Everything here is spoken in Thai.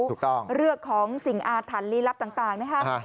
ถูกต้องเรื่องของสิ่งอาถรรพ์ลี้ลับต่างนะครับ